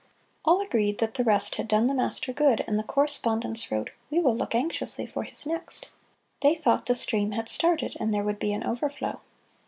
All agreed that the rest had done the master good, and the correspondents wrote, "We will look anxiously for his next." They thought the stream had started and there would be an overflow.